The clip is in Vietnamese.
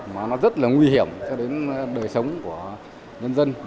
mà nó rất là nguy hiểm cho đến đời sống của nhân dân